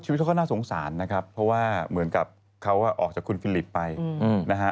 เขาก็น่าสงสารนะครับเพราะว่าเหมือนกับเขาออกจากคุณฟิลิปไปนะฮะ